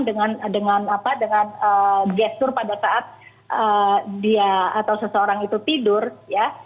dengan gestur pada saat dia atau seseorang itu tidur ya